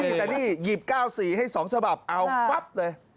นี่แต่นี่หยิบ๙๔ให้๒ฉบับเอาปั๊บเลย